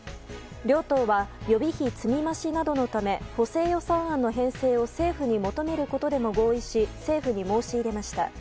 両党は予備費積み増しなどのため補正予算案の編成を政府に求めることでも合意し政府に申し入れました。